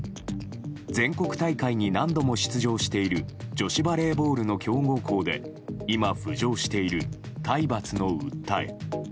全国大会に何度も出場している女子バレーボールの強豪校で今、浮上している体罰の訴え。